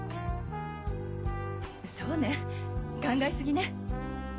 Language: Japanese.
そうね考え過ぎね。